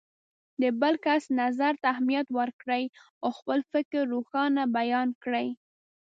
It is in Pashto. د بل کس نظر ته اهمیت ورکړئ او خپل فکر روښانه بیان کړئ.